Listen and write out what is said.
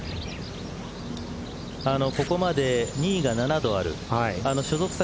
ここまで２位が７度ある所属先